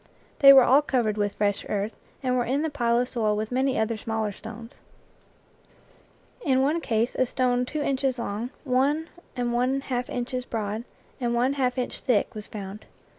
They were all covered with fresh earth, and were in the pile of soil with many other smaller stones. In one case a stone two inches long, one and one half inches broad, and one half inch thick was found.